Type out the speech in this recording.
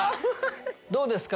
どうですか？